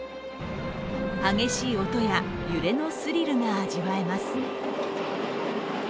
激しい音や揺れのスリルが味わえます。